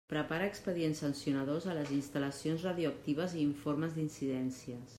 Prepara expedients sancionadors a les instal·lacions radioactives i informes d'incidències.